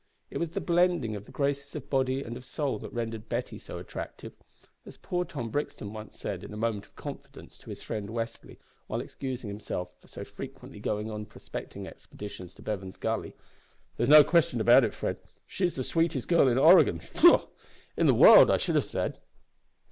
It was the blending of the graces of body and of soul that rendered Betty so attractive. As poor Tom Brixton once said in a moment of confidence to his friend Westly, while excusing himself for so frequently going on prospecting expeditions to Bevan's Gully, "There's no question about it, Fred; she's the sweetest girl in Oregon pshaw! in the world, I should have said.